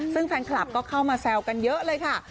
ซึ่งแฟนคลับก็เข้ามาแซวกันเยอะเลยค่ะ